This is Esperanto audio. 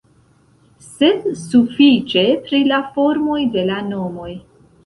Sed sufiĉe pri la formoj de la nomoj.